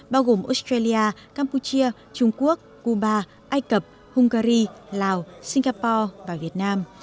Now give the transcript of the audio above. bao gồm australia campuchia trung quốc cuba ai cập hungary lào singapore và việt nam